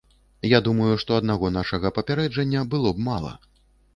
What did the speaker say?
Я думаю, што аднаго нашага папярэджання было б мала.